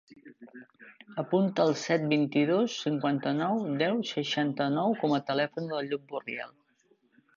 Apunta el set, vint-i-dos, cinquanta-nou, deu, seixanta-nou com a telèfon del Llop Burriel.